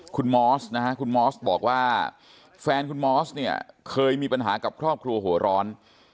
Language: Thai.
คุณมอสนะฮะคุณมอสบอกว่าแฟนคุณมอสเนี่ยเคยมีปัญหากับครอบครัวหัวร้อน